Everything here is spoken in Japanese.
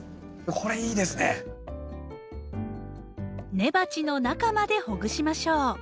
根鉢の中までほぐしましょう。